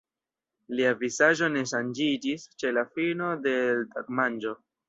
Lia vizaĝo ne ŝanĝiĝis ĉe la fino de l' tagmanĝo.